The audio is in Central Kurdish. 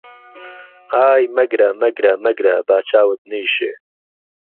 ئای مهگره مهگره مهگره با چاوت نهیشێ